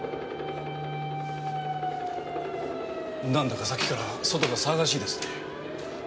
なんだかさっきから外が騒がしいですね。